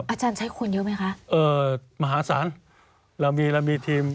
อาจารย์ใช้คุณเยอะไหมคะอมหาศาลทีม